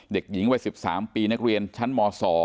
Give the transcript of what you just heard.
เด็กหญิงวัย๑๓ปีนักเรียนชั้นม๒